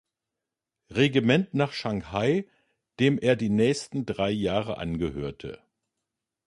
Regiment nach Shanghai, dem er die nächsten drei Jahre angehörte.